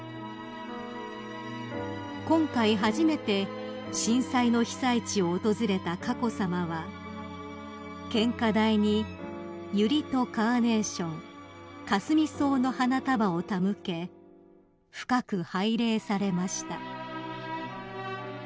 ［今回初めて震災の被災地を訪れた佳子さまは献花台にユリとカーネーションカスミソウの花束を手向け深く拝礼されました］